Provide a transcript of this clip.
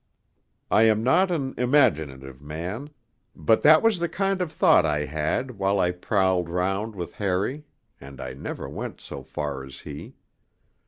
I am not an imaginative man, but that was the kind of thought I had while I prowled round with Harry (and I never went so far as he).